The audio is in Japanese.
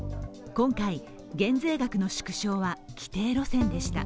今回、減税額の縮小は既定路線でした。